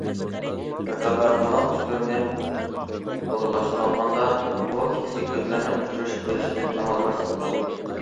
چاكارلار تاماق ئۈستىلىنى ئورۇنلاشتۇرۇۋاتقاندا ئۇ ئىككىسى كۆزلىرىنىڭ ئۇچرىشىپ قېلىشىدىن ئامال بار ساقلاندى.